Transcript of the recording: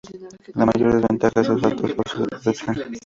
La mayor desventaja es su alto costo de producción.